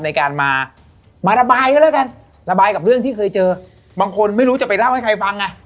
ในการมาระบายกับเรื่องที่เคยเจอบางคนไม่รู้จะไปเล่าให้ใครฟัง